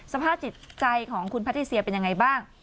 สภาพจิตใจของคุณแพทิเซียเป็นยังไงบ้าง